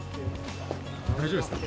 大丈夫ですか？